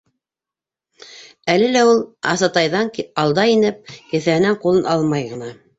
Әле лә ул, Асатайҙан алда инеп, кеҫәһенән ҡулын алмай ғына: